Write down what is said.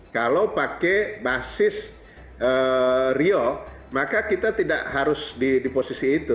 kalau pakai basis rio maka kita tidak harus di posisi itu